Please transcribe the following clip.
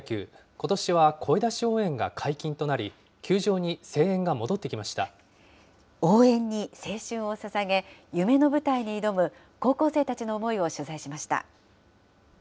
ことしは声出し応援が解禁となり、応援に青春をささげ、夢の舞台に挑む高校生たちの思いを取材しました。